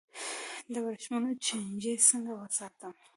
د وریښمو چینجی څنګه وساتم؟